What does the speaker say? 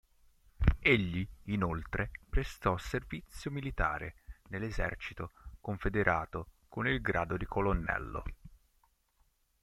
Egli inoltre prestò servizio militare nell'Esercito confederato con il grado di colonnello.